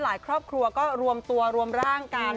ครอบครัวก็รวมตัวรวมร่างกัน